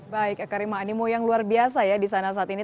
baik eka rima animo yang luar biasa ya di sana saat ini